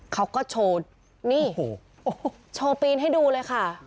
เขาก็โชว์นี่โอ้โหโชว์ปีนให้ดูเลยค่ะ